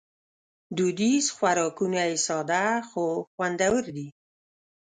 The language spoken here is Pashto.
دودیز خوراکونه یې ساده خو خوندور دي.